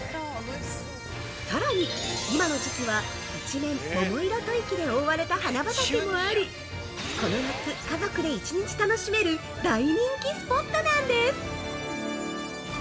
さらに、今の時期は一面桃色吐息で覆われた花畑もあり、この夏、家族で一日楽しめる大人気スポットなんです！